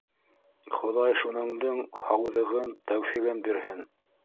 Хоҙай шуныңдың һауҙығын, тәүфиғын бирһен!